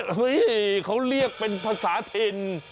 เฮ้ยเขาเรียกเป็นภาษาถิ่น